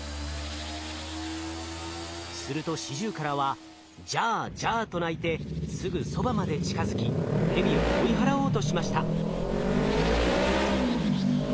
するとシジュウカラは「ジャージャー」と鳴いてすぐそばまで近づきヘビを追い払おうとしました。